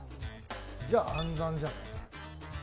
じゃあ暗算じゃない？